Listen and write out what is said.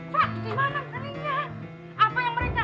pak dimana belinya